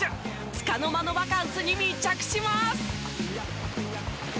つかの間のバカンスに密着します！